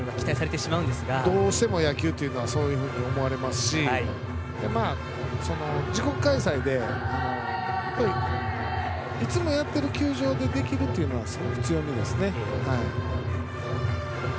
どうしても野球というと金メダルと思われますが自国開催でいつもやっている球場でできるというのは強みですよね。